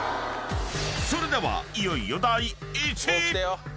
［それではいよいよ第１位！］